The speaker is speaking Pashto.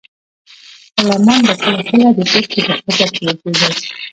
غلامان به کله کله د تیښتې په فکر کې کیدل.